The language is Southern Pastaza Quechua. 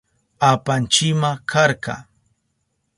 Apanchima karka.